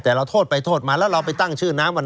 แต่เราโทษไปโทษมาแล้วเราไปตั้งชื่อน้ำกัน